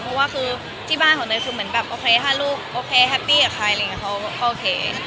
เพราะว่าที่บ้านของโดยได้๕ลูกโดยไงพร้อมภายใจกับใครก็พอ